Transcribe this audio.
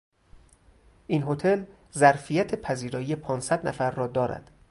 این هتل ظرفیت پذیرایی پانصد نفر را دارد.